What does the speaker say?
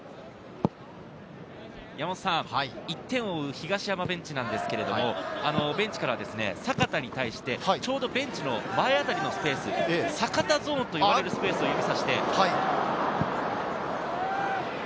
１点を追う東山ベンチですが、ベンチからは阪田に対して、ちょうどベンチの前あたりのスペース、阪田ゾーンといわれるスペースを指差して。